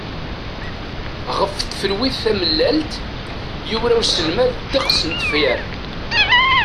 Ɣef tfelwit tamellalt, yura uselmad ddeqs n tefyar.